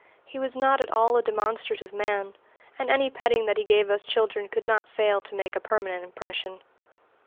He was not at all a demonstrative man, and any petting that he gave us children could not fail to make a permanent impression.